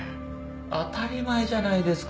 当たり前じゃないですか。